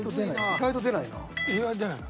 意外と出ないな。